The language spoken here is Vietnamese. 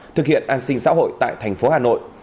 thực hiện an sinh xã hội tại tp hà nội